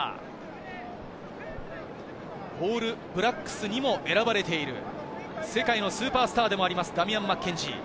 オールブラックスにも選ばれている世界のスーパースターでもあるダミアン・マッケンジー。